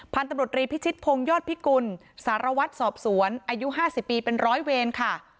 พันธุ์ตำรวจรีพิชิตพงศ์ยอดพิกุลสารวัตรสอบสวนอายุ๕๐ปีเป็นร้อยเวรค่ะ